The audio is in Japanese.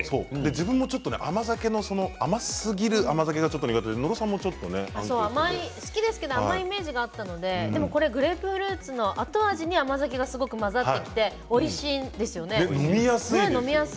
自分もちょっと甘酒は甘すぎる甘酒はちょっと苦手で好きだけど甘いイメージがあったのでこれグレープフルーツのは後味に甘酒がすごく混ざってきておいしいですよね、飲みやすい。